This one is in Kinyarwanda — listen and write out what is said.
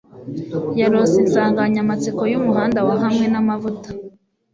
yarose insanganyamatsiko yumuhanda wa hamwe namavuta